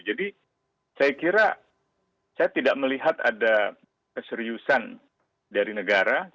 jadi saya kira saya tidak melihat ada keseriusan dari negara